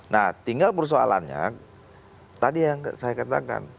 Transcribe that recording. nah tinggal persoalannya tadi yang saya katakan